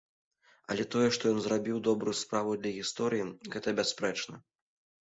Але тое, што ён зрабіў добрую справу для гісторыі, гэта бясспрэчна.